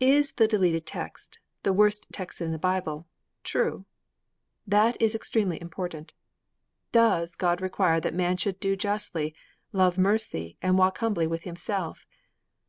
Is the deleted text the worst text in the Bible true? That is extremely important. Does God require that man should do justly, love mercy and walk humbly with Himself?